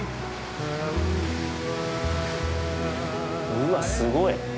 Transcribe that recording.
うわっすごい。